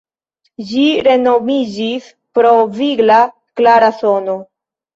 Ĝi renomiĝis pro vigla, klara sono.